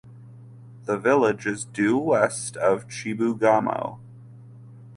The village is due west of Chibougamau.